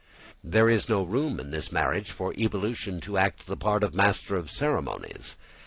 ] There is no room in this marriage for evolution to act the part of the master of ceremonies.